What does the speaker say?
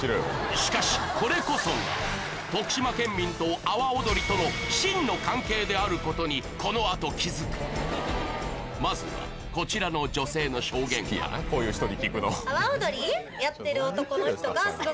しかしこれこそが徳島県民と阿波おどりとの真の関係であることにこのあと気づくまずはこちらの女性の証言からさらにあ・ホンマに！？